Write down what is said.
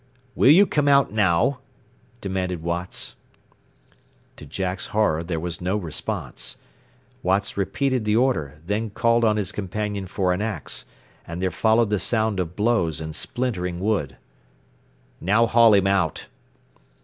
"Will you come out now?" demanded Watts. To Jack's horror there was no response. Watts repeated the order, then called on his companion for an axe, and there followed the sound of blows and splintering wood. "Now haul him out."